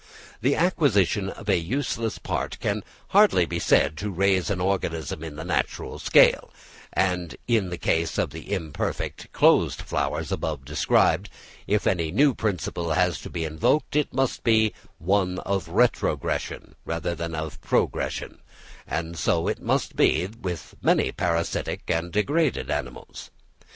The acquisition of a useless part can hardly be said to raise an organism in the natural scale; and in the case of the imperfect, closed flowers, above described, if any new principle has to be invoked, it must be one of retrogression rather than of progression; and so it must be with many parasitic and degraded animals.